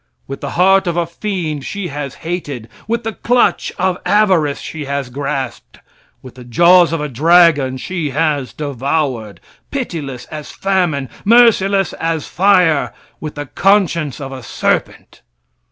With the heart of a fiend she has hated; with the clutch of avarice she has grasped; with the jaws of a dragon she has devoured, pitiless as famine, merciless as fire, with the conscience of a serpent.